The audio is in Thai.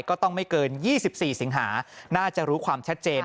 ก็ต้องไม่เกินยี่สิบสี่สิงหาน่าจะรู้ความชัดเจน